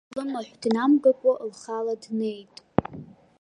Лымаҳә днамгакәа, лхала днеит.